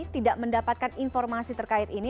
tidak mendapatkan informasi terkait ini